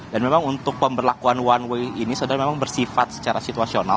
dan memang untuk pemberlakuan one way ini sudah memang bersifat secara situasional